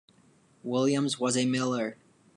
Williams was a miller.